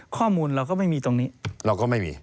ข้อมูลเราก็ไม่มีตรงนี้เราก็ไม่มี